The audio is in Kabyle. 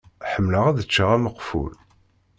Ḥemmleɣ ad ččeɣ ameqful.